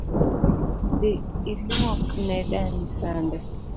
Dhi ilwuok ne dani sande